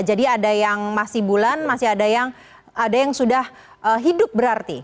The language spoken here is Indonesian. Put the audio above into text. jadi ada yang masih bulan masih ada yang sudah hidup berarti